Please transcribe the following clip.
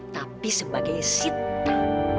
tapi sebagai sita